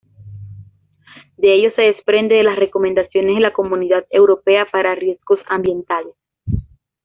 De ello se desprende de las recomendaciones de la Comunidad Europea para riesgos ambientales.